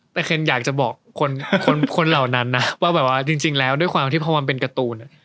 แต่เคนอยากจะบอกคนเหล่านั้นนะว่าแบบว่าจริงแล้วด้วยความที่พอมันเป็นการ์ตูน